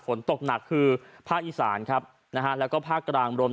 ฝนตกหนักคือภาคอีสานครับนะฮะแล้วก็ภาคกลางรวม